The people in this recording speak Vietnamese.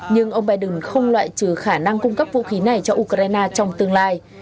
nhưng ông biden không loại trừ khả năng cung cấp vũ khí này cho ukraine trong tương lai